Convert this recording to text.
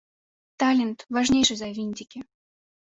Талент важнейшы за вінцікі.